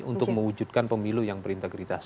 untuk mewujudkan pemilu yang berintegritas